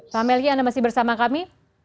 pak melki anda masih bersama kami